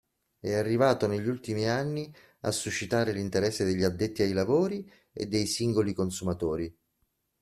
È arrivato negli ultimi anni a suscitare l'interesse degli "addetti ai lavori" e dei singoli consumatori.